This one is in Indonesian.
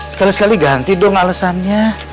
sekali sekali ganti dong alesannya